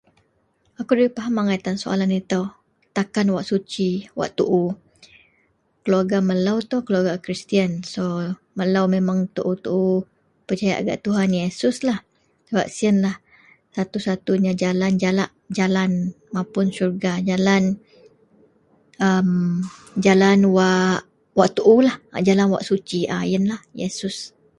akou da faham angai tan soalan itou, takan wak suci, wak tuu, keluarga melou tou keluarga a kristian so melou memang tuu-tuu percayak gak Tuhan Yesuslah sebab sienlah satu-satunya jalan jalak jalan mapun sorga jalam emm jalan wak tuu lah jalan wak suci ienlah Yesus